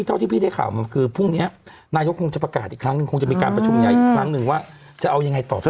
เท่าที่พี่ได้ข่าวมาคือพรุ่งนี้นายกคงจะประกาศอีกครั้งหนึ่งคงจะมีการประชุมใหญ่อีกครั้งหนึ่งว่าจะเอายังไงต่อสัก